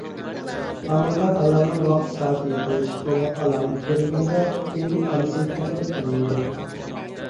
ھامىلىدار ئايالنىڭ ۋاقتى-سائىتى يېقىنلىشىپ تولغاق ئالامىتى كۆرۈلگەندە، كىندىك ئانىسى تەكلىپ قىلىنىدۇ.